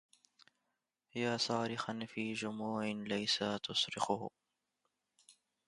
يا صارخا في جموع ليس تصرخه